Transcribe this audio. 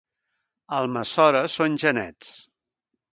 A Almassora són genets.